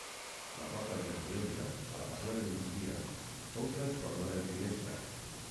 La porta de l'església, a la façana de migdia, fou transformada en finestra.